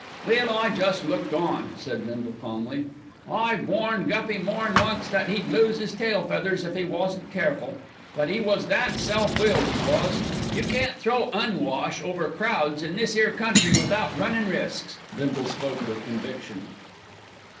"Well, I jest looked on," said Bindle calmly. "I've warned Guppy more'n once that 'e'd lose 'is tail feathers if 'e wasn't careful; but 'e was that self willed, 'e was. You can't throw 'Un wash over crowds in this 'ere country without runnin' risks." Bindle spoke with conviction.